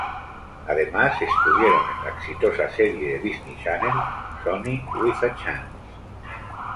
Además, estuvieron en la exitosa serie de Disney Channel, "Sonny with a Chance".